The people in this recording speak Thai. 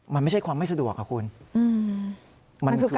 มันไม่ใช่ความไม่สะดวกค่ะคุณ